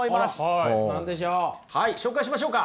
あら何でしょう？